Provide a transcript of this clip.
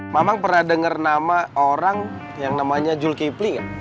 mamang pernah denger nama orang yang namanya jul kipli gak